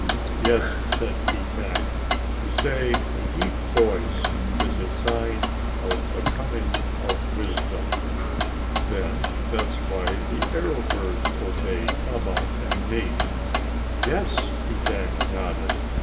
"Yes," said Keetack. "We say a deep voice is a sign of the coming of wisdom." "Then that's why the arrow birds obeyed Baba and me?" "Yes," Keetack nodded.